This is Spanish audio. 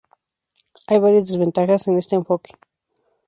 Hay varias desventajas con este enfoque.